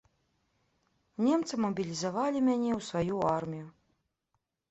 Немцы мабілізавалі мяне ў сваю армію.